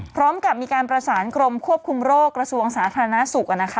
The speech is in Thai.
พร้อมกับมีการประสานกรมควบคุมโรคกระทรวงสาธารณสุข